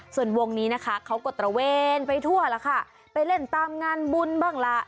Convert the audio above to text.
ทีนี้นะคะเขากดตระเวนไปทั่วละค่ะไปเล่นตามงานบุญบ้างละ